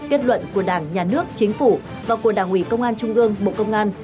kết luận của đảng nhà nước chính phủ và của đảng ủy công an trung ương bộ công an